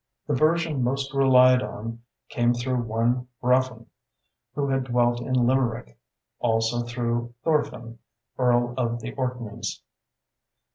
The version most relied on came through one Rafn, who had dwelt in Limerick; also through Thorfinn, earl of the Orkneys.